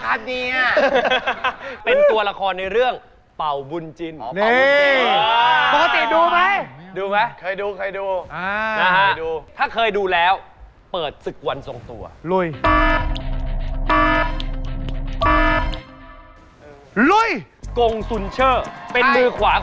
มันเป็นยังไงครับตอนนี้รู้สึกด้วยแล้วครับคุณครั้งคุณโป้วครับ